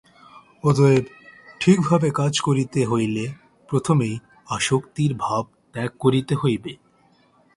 অতএব ঠিকভাবে কাজ করিতে হইলে প্রথমেই আসক্তির ভাব ত্যাগ করিতে হইবে।